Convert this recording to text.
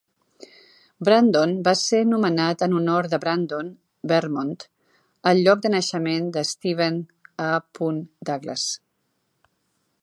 Brandon va ser nomenat en honor de Brandon, Vermont, el lloc de naixement de Stephen A. Douglas.